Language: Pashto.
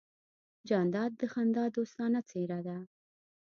جانداد د خندا دوستانه څېرہ ده.